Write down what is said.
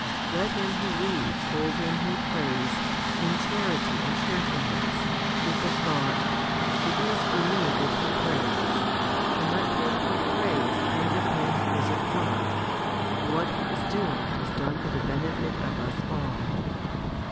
Let him who reads hold him who prays in chanty and cheerfulness, with the thought, " It is for me that he prays "; and let him who prays think of him who is at work, " What he is doing is done for the benefit of us all."